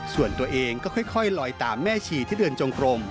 ส่วนตัวเองก็ค่อยลอยตามแม่ชีที่เดินจงกลม